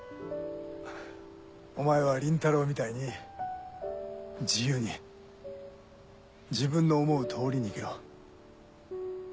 お前は倫太郎みたいに自由に自分の思う通りに生きろ。